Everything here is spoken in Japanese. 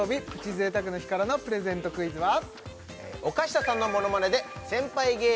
贅沢の日からのプレゼントクイズは？